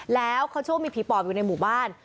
แล้วเขาเชื่อว่ามีผีปอบอยู่ในหมู่บ้าน